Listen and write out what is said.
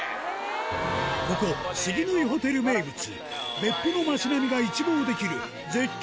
ここ杉乃井ホテル名物別府の街並みが一望できる絶景